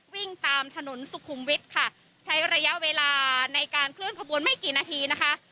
วิ่งตามถนนสุขุมวิทย์ค่ะใช้ระยะเวลาในการเคลื่อนขบวนไม่กี่นาทีนะคะ